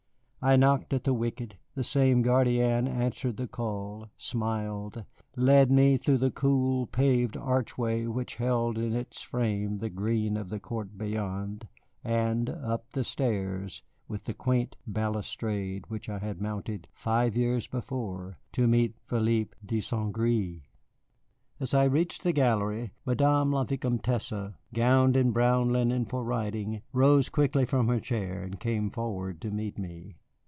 I knocked at the wicket, the same gardienne answered the call, smiled, led me through the cool, paved archway which held in its frame the green of the court beyond, and up the stairs with the quaint balustrade which I had mounted five years before to meet Philippe de St. Gré. As I reached the gallery Madame la Vicomtesse, gowned in brown linen for riding, rose quickly from her chair and came forward to meet me.